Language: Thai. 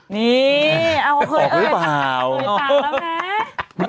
นี่เอาคือเอ่ย